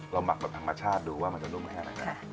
เราหมักแบบธังรัชธน์ดูว่าจะนุ่มแค่ไหน